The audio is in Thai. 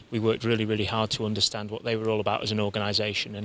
เราต้องรักษาความรู้สึกว่าพวกมันเป็นเกี่ยวกับเกี่ยวกับเกี่ยวกัน